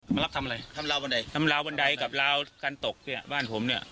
มารับทำอะไรทำราวบันไดทำลาวบันไดกับราวการตกเนี่ยบ้านผมเนี่ย